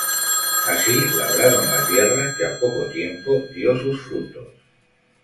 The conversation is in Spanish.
Así labraron la tierra, que al poco tiempo dio sus frutos.